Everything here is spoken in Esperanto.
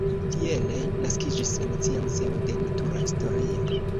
Tiele naskiĝis la Nacia Muzeo de Natura Historio.